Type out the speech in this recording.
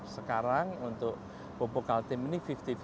sekarang untuk pupuk kalti ini lima puluh lima puluh